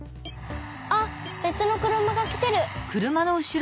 あっべつのくるまがきてる！